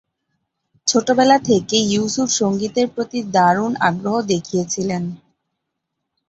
ছোটবেলা থেকেই ইউসুফ সংগীতের প্রতি দারুণ আগ্রহ দেখিয়েছিলেন।